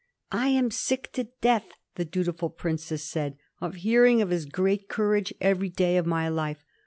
^^I am sick to death," the dutiful princess said, "of hear ing of his great courage every day of my life.